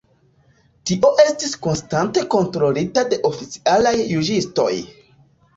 Tio estas konstante kontrolita de oficialaj juĝistoj.